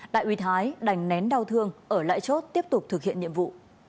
đại ủy thái đành nén đau thương ở lãi chốt tiếp tục thực hiện nhiệm vụ